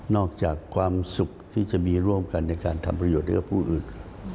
อกจากความสุขที่จะมีร่วมกันในการทำประโยชน์ให้กับผู้อื่น